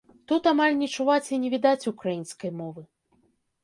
Тут амаль не чуваць і не відаць украінскай мовы.